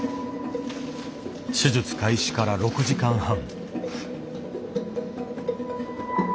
手術開始から６時間半。